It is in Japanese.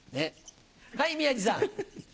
はい宮治さん。